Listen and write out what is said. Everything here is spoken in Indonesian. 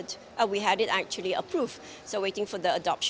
kami sudah mengadopsi jadi kita menunggu pengadopsi